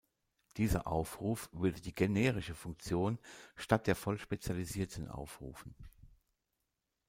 Dieser Aufruf würde die generische Funktion statt der voll spezialisierten aufrufen.